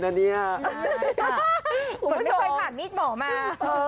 ผมไม่เคยผ่านมิตรหมอมา